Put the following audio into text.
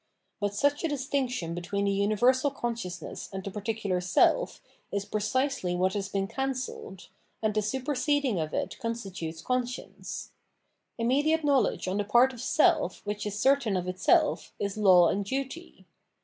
But such a distinction between the universal consciousness and the particular self is precisely what has been cancelled, and the superseding of it constitutes conscience. Im mediate knowledge on the part of self which is certain of itself is law and duty.